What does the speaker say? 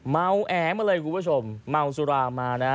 เมาแอมาเลยคุณผู้ชมเมาสุรามานะ